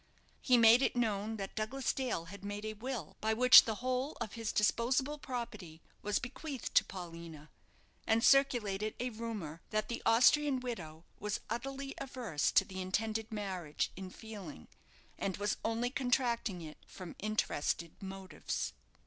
He made it known that Douglas Dale had made a will, by which the whole of his disposable property was bequeathed to Paulina, and circulated a rumour that the Austrian widow was utterly averse to the intended marriage, in feeling, and was only contracting it from interested motives.